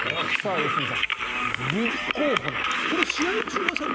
良純さん立候補なんですって。